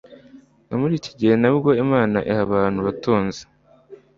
No muri iki gihe na bwo Imana iha abantu ubutunzi,